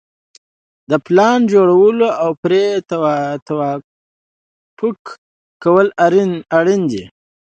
د پلان جوړول او پرې توافق کول اړین دي.